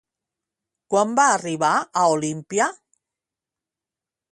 Quan va arribar a Olímpia?